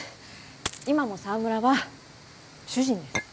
今も澤村は主人です。